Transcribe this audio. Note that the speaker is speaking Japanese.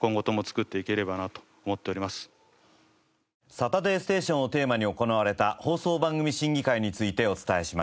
『サタデーステーション』をテーマに行われた放送番組審議会についてお伝えしました。